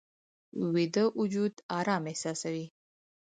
ویده وجود آرام احساسوي